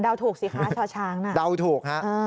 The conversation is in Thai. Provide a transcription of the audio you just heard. ถูกสิคะช่อช้างน่ะเดาถูกฮะ